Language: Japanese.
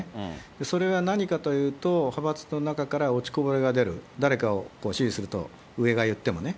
それは何かというと、派閥の中から落ちこぼれが出る、誰かを支持すると上が言ってもね。